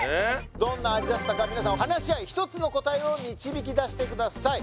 どんな味だったか皆さん話し合い一つの答えを導き出してください